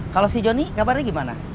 kalau si johnny kabarnya gimana